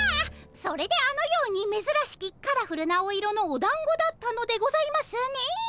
それであのようにめずらしきカラフルなお色のおだんごだったのでございますね。